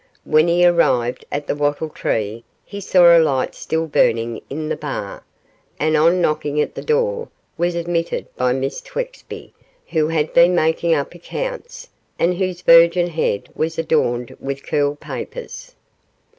When he arrived at the 'Wattle Tree' he saw a light still burning in the bar, and, on knocking at the door, was admitted by Miss Twexby, who had been making up accounts, and whose virgin head was adorned with curl papers.